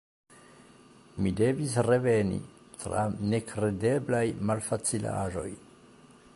Mi devis reveni, tra nekredeblaj malfacilaĵoj.